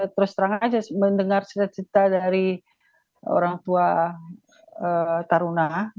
terus terang aja mendengar cita cita dari orang tua taruna